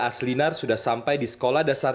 aslinar sudah sampai di sekolah dasar